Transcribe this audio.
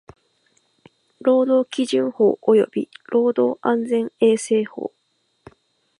労働基準法及び労働安全衛生法